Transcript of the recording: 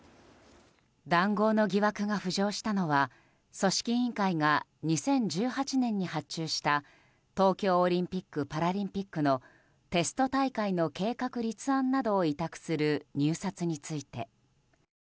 談合の疑惑が浮上したのは組織委員会が２０１８年に発注した東京オリンピック・パラリンピックのテスト大会の計画・立案などを委託する入札について。